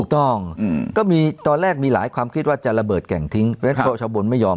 ถูกต้องก็มีตอนแรกมีหลายความคิดว่าจะระเบิดแก่งทิ้งตัวชะบนไม่ยอม